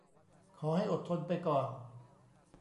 ขอให้อดทนไปก่อน